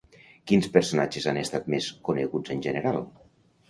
Quins personatges han estat més coneguts en general?